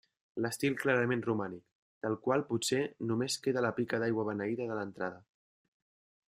D'estil clarament romànic, del qual potser només queda la pica d'aigua beneïda de l'entrada.